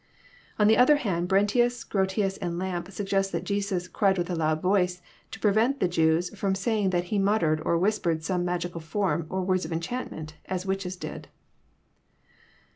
On the other hand, Brentins, Grotlus, and Lampe suggest that Jesus " cried with a loud vcAce," to prevent the Jews from saying that He muttered or whispered some magical form, or words of enchantment, as witches did.